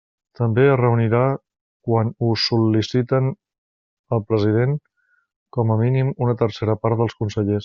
També es reunirà quan ho sol·liciten al president, com a mínim, una tercera part dels consellers.